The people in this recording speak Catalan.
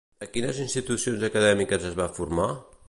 A quines institucions acadèmiques es va formar?